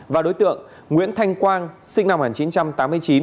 và đối tượng nguyễn thanh quang sinh năm một nghìn chín trăm tám mươi chín